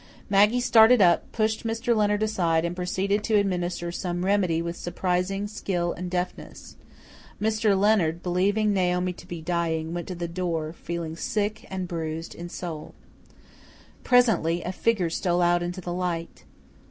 Maggie started up, pushed Mr. Leonard aside, and proceeded to administer some remedy with surprising skill and deftness. Mr. Leonard, believing Naomi to be dying, went to the door, feeling sick and bruised in soul. Presently a figure stole out into the light.